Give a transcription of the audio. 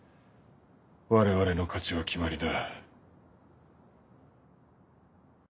我々の勝ちは決まりだ。